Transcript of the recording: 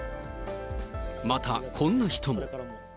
また、こんな人も。